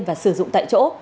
và sử dụng tại chỗ